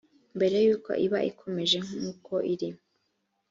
mbere y uko iba ikomeye nkuko iri